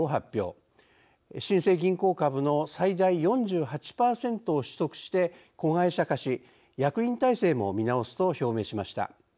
新生銀行株の最大４８％を取得して子会社化し役員体制も見直すと表明しました。